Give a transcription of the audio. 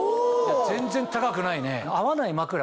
全然高くないね。